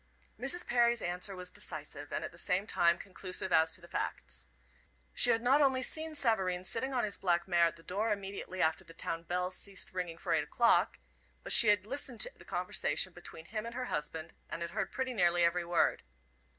Mrs. Perry's answer was decisive, and at the same time conclusive as to the facts. She had not only seen Savareen sitting on his black mare at the door, immediately after the town bell ceased ringing for eight o'clock; but she had listened to the conversation between him and her husband, and had heard pretty nearly every word.